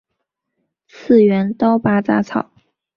次元刀拔杂草